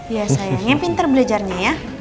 ya sayangnya pinter belajarnya ya